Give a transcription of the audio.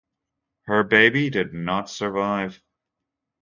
Her baby did not survive.